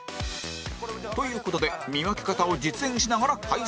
という事で見分け方を実演しながら解説